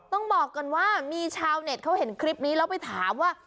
ต้องบอกก่อนว่ามีชาวเน็ตเขาเห็นคลิปนี้แล้วไปถามว่า